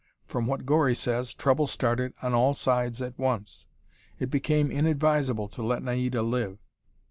From what Gori says, trouble started on all sides at once. It became inadvisable to let Naida live.